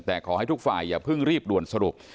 แต่ขอให้ทุกฝ่ายอย่าเพิ่งรีบด่วนสรุป